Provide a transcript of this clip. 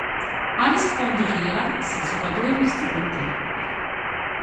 არის ფონდ ღია საზოგადოების სტიპენდიანტი.